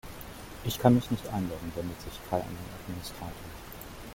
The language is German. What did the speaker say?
Ich kann mich nicht einloggen, wendet sich Kai an den Administrator.